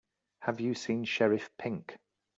Have you seen Sheriff Pink?